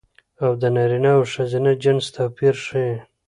او د نرينه او ښځينه جنس توپير ښيي